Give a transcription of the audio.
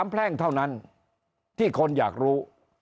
แพร่งเท่านั้นที่คนอยากรู้